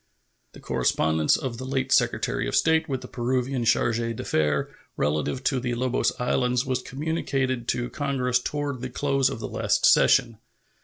The correspondence of the late Secretary of State with the Peruvian charge d'affaires relative to the Lobos Islands was communicated to Congress toward the close of the last session.